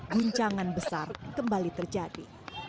guncangan besar kembali terjadi